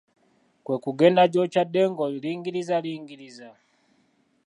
Kwe kugenda gy'okyadde ng'olingirizalingiriza.